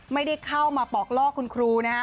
ไม่ได้เข้ามาปอกล่อคุณครูนะฮะ